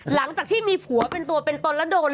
หลังจากที่มีผัวเป็นตัวเป็นตนแล้วโดน